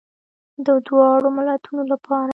د دواړو ملتونو لپاره.